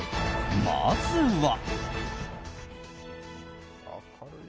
まずは。